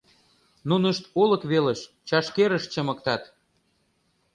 Нунышт олык велыш, чашкерыш чымыктат.